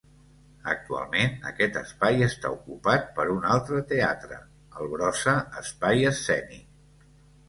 Actualment, aquest espai està ocupat per un altre teatre: el Brossa Espai Escènic.